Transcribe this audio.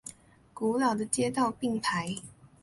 古老的街道并排。